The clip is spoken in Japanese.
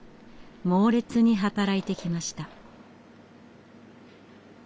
猛烈に働いてきました。